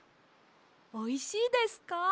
おいしいですか？